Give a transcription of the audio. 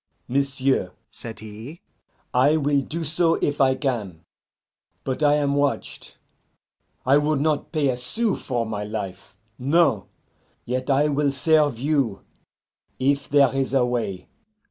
"M'sieu'," said he, "I will do so if I can, but I am watched. I would not pay a sou for my life no. Yet I will serve you, if there is a way."